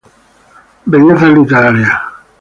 Bellezas literarias.